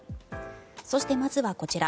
そして、まずはこちら。